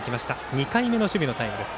２回目の守備のタイムです。